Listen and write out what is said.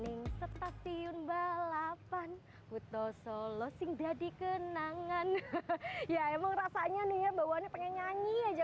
di stasiun balapan kuto solo sihng jadi kenangan ya emang rasanya nih ya bawaannya pengen nyanyi aja